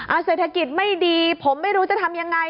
เศรษฐกิจไม่ดีผมไม่รู้จะทำยังไง